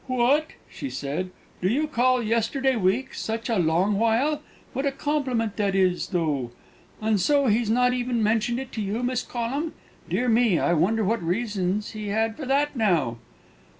"What!" she said, "do you call yesterday week such a long while? What a compliment that is, though! And so he's not even mentioned it to you, Miss Collum? Dear me, I wonder what reasons he had for that, now!"